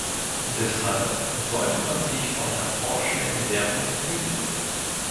Deshalb sollte man sich vor einer vorschnellen ‚Wertung‘ hüten.